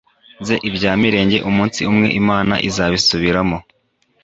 nze ibya mirenge umunsi umwe Imana izabisubiramo